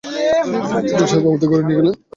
ইমাম সাহেব আমাদের ঘরে নিয়ে গেলেন।